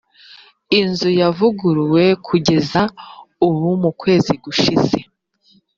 inzu yavuguruwe kugeza ubu mukwezi gushize.